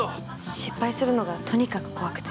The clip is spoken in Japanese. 失敗するのがとにかく怖くて。